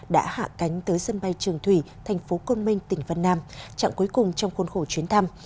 đã hạ cánh tới sân bay trường thủy thành phố côn minh tỉnh vân nam chặng cuối cùng trong khuôn khổ chuyến thăm